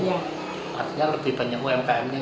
artinya lebih banyak umkm nya